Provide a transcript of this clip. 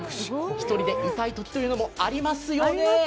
１人でいたいときというのも、ありますよね。